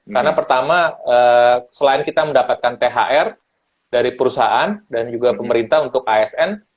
karena pertama selain kita mendapatkan thr dari perusahaan dan juga pemerintah untuk asn